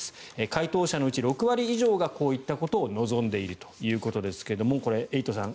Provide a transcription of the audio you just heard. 回答者のうち６割以上がこういったことを望んでいるということですがエイトさん